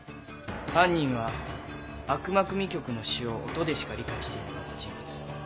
犯人は『悪魔組曲』の詩を音でしか理解していなかった人物。